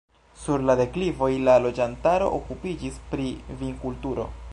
Sur la deklivoj la loĝantaro okupiĝis pri vinkulturo.